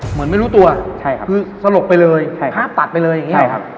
เหมือนไม่รู้ตัวสลบไปเลยภาพตัดไปเลยอย่างนี้